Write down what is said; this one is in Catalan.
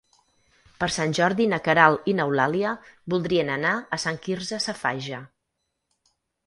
Per Sant Jordi na Queralt i n'Eulàlia voldrien anar a Sant Quirze Safaja.